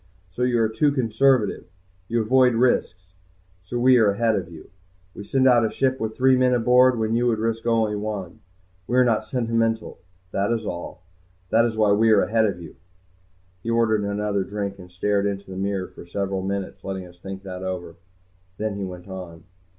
So you are too conservative, you avoid risks. So we are ahead of you. We send out a ship with three men aboard when you would risk only one. We are not sentimental, that is all. That is why we are ahead of you." He ordered another drink and stared into the mirror for several minutes, letting us think that over. Then he went on.